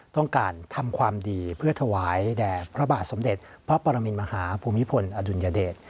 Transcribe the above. ต้องการทำความดีเพื่อถวายแด่พระบาทสมเด็จพระปรมินมหาภูมิพลอดุลยเดช